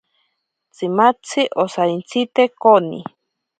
Tsimatzi osarentsite koni.